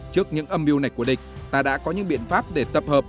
trước những âm mưu này của địch ta đã có những biện pháp để tập hợp